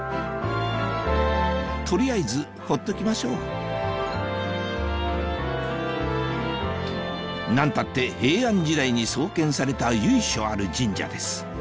取りあえずほっときましょう何たって平安時代に創建された由緒ある神社です